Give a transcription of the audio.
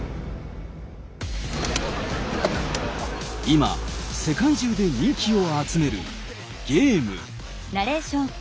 今世界中で人気を集めるゲーム。